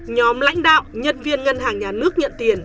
nhóm lãnh đạo nhân viên ngân hàng nhà nước nhận tiền